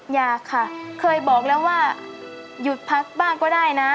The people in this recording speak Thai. อยากค่ะเคยบอกแล้วว่าหยุดพักบ้างก็ได้นะ